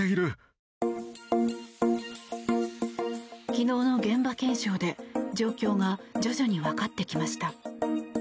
昨日の現場検証で状況が徐々に分かってきました。